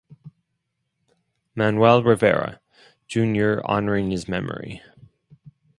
Manuel Rivera, Junior honoring his memory.